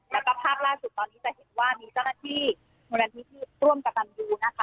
แล้วก็ภาพล่าสุดตอนนี้จะเห็นว่ามีเจ้าหน้าที่มูลนิธิร่วมกับตันยูนะคะ